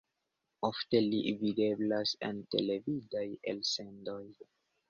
Ofte li videblas en televidaj elsendoj.